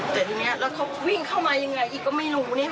แต่ทีนี้แล้วเขาวิ่งเข้ามายังไงอีกก็ไม่รู้